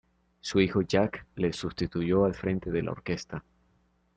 Su hijo Jack le sustituyó al frente de la orquesta.